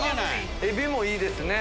エビもいいですね。